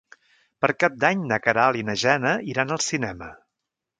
Per Cap d'Any na Queralt i na Jana iran al cinema.